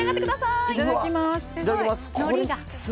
いただきます。